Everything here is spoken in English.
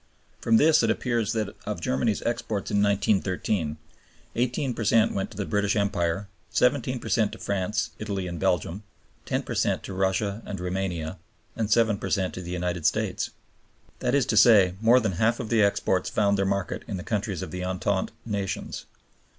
From this it appears that of Germany's exports in 1913, 18 per cent went to the British Empire, 17 per cent to France, Italy, and Belgium, 10 per cent to Russia and Roumania, and 7 per cent to the United States; that is to say, more than half of the exports found their market in the countries of the Entente nations.